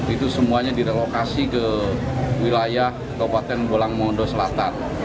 itu semuanya direlokasi ke wilayah kabupaten bolang mondo selatan